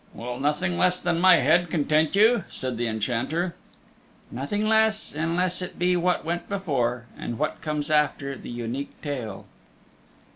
"Will nothing less than my head content you?" said the Enchanter. "Nothing less unless it be what went before, and what comes after the Unique Tale."